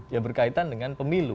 yang berkaitan dengan pemilu